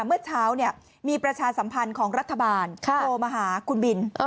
เมื่อเช้ามีประชาสัมพันธ์ของรัฐบาลโทรมาหาคุณบิน